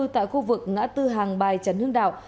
tại khu vực ngã tư hàng bài trần hương đạo